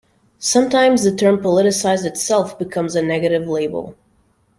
Sometimes the term "politicized" itself becomes a negative label.